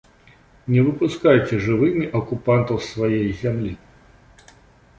Не выпускайце жывымі акупантаў з свае зямлі!